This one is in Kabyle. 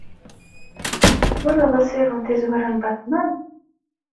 Twalaḍ asaru n Tazwara n Batman?